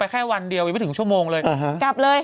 ไปแค่วันเดียวยังไม่ถึงชั่วโมงเลย